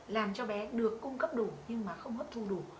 làm cho bé được cung cấp đủ nhưng mà không hấp thu đủ